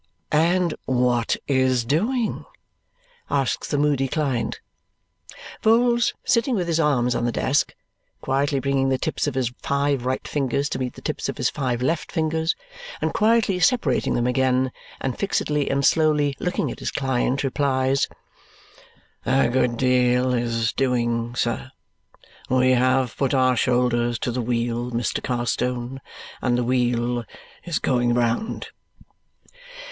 "And what is doing?" asks the moody client. Vholes, sitting with his arms on the desk, quietly bringing the tips of his five right fingers to meet the tips of his five left fingers, and quietly separating them again, and fixedly and slowly looking at his client, replies, "A good deal is doing, sir. We have put our shoulders to the wheel, Mr. Carstone, and the wheel is going round."